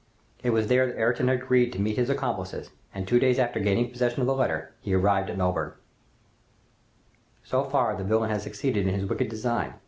It was there that Ayrton had agreed to meet his accomplices, and two days after gaining possession of the letter, he arrived at Melbourne. "So far the villain had succeeded in his wicked design.